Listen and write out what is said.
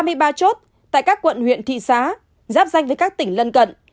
và ba mươi ba chốt tại các quận huyện thị xá giáp danh với các tỉnh lân cận